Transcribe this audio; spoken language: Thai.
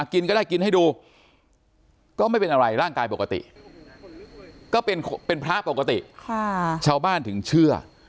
กินก็ได้กินให้ดูก็ไม่เป็นอะไรร่างกายปกติก็เป็นพระปกติชาวบ้านถึงเชื่อ